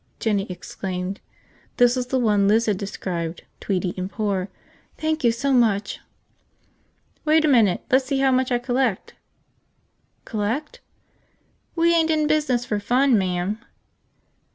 Jinny exclaimed. This was the one Liz had described, tweedy and poor. "Thank you so much!" "Wait a minute. Let's see how much I collect." "Collect?" "We ain't in business for fun, ma'am."